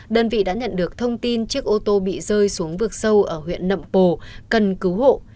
đơn vị đã nhận được thông tin chiếc ô tô bị rơi xuống vực sâu ở huyện nậm pồ cần cứu hộ